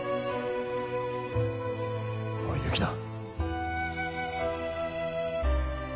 おい雪菜。